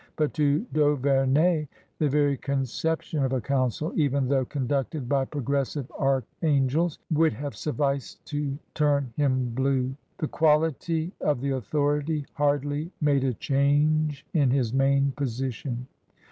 But to d'Auvemey the very conception of a council, even though conducted by progressive archangels, would have sufficed to turn him blue* The quality of the authority hardly made a change in his main position.